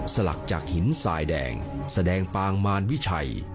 สลักจากหินทรายแดงแสดงปางมารวิชัย